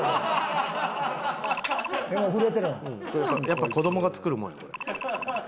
やっぱ子供が作るもんやこれ。